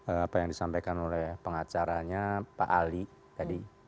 apa yang disampaikan oleh pengacaranya pak ali tadi